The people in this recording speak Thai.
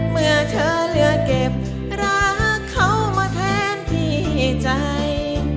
เมื่อเธอเลือกเก็บรักเขามาแทนที่ใจ